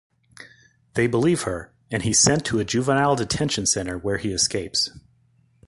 They believe her, and he's sent to a juvenile detention center where he escapes.